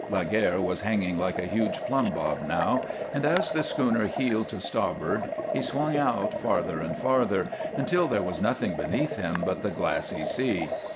Laguerre was hanging like a huge plumbob now, and as the schooner heeled to starboard he swung out, farther and farther, until there was nothing beneath him but the glassy sea.